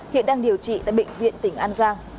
hiện đang điều trị tại bệnh viện tỉnh an giang